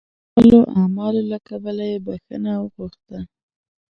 خپلو اعمالو له کبله یې بخښنه وغوښته.